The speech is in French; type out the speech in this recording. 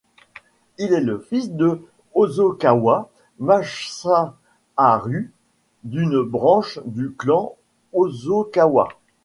Il est le fils de Hosokawa Masaharu, d'une branche du clan Hosokawa.